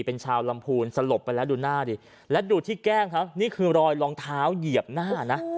เป็นชาวลำพูนสลบไปแล้วดูหน้าดิและดูที่แก้มเขานี่คือรอยรองเท้าเหยียบหน้านะ